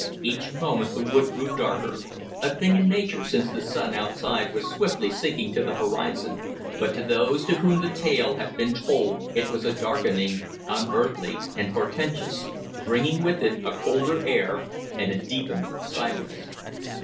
Each moment the wood grew darker, a thing in nature, since the sun outside was swiftly sinking to the horizon. But to those to whom that tale had been told it was a darkening unearthly and portentous, bringing with it a colder air and a deepened silence.